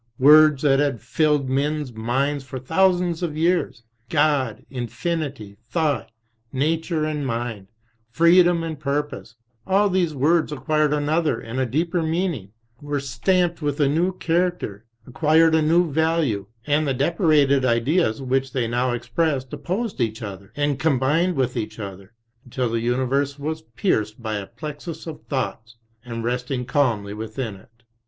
Words that had filled men's minds for thousands of years, God, Infinity, Thought, Nature and Mind, Freedom and Purpose, all these words acquired an other and a deeper meaning, were stamped with a new char acter, acquired a new value, and the depurated Ideas which they now expressed opposed each other, and combined with each other, until the universe was seen pierced by a plexus of thoughts, and resting calmly within It.